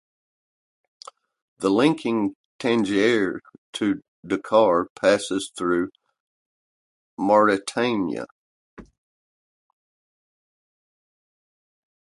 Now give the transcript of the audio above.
The linking Tangier to Dakar passes through Mauritania.